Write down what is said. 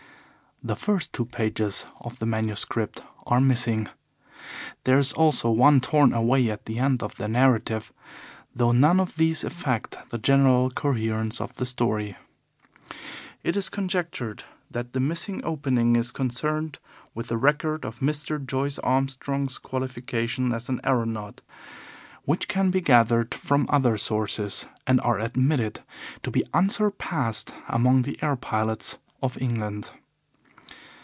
The first two pages of the manuscript are missing. There is also one torn away at the end of the narrative, though none of these affect the general coherence of the story. It is conjectured that the missing opening is concerned with the record of Mr. Joyce Armstrong's qualifications as an aeronaut, which can be gathered from other sources and are admitted to be unsurpassed among the air pilots of England.